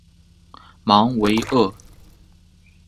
芒维厄。